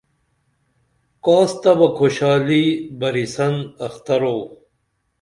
کاس تہ بہ کھوشالی بریسن اخترو